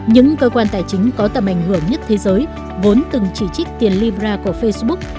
những cơ quan tài chính có tầm ảnh hưởng nhất thế giới vốn từng chỉ trích tiền libra của facebook